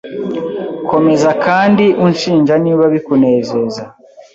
Komeza kandi unshinja niba bikunezeza .